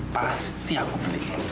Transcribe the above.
pasti aku beli